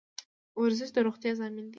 ورزش د روغتیا ضامن دی